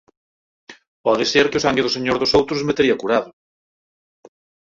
Pode ser que o sangue do Señor dos outros me tería curado.